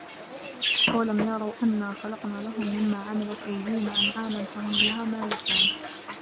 أَوَلَم يَرَوا أَنّا خَلَقنا لَهُم مِمّا عَمِلَت أَيدينا أَنعامًا فَهُم لَها مالِكونَ